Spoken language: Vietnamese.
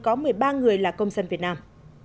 có một mươi ba người là công dân việt nam